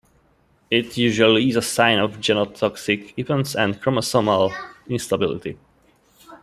It usually is a sign of genotoxic events and chromosomal instability.